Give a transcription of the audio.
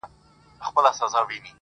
له کلونو پوروړی د سرکار وو-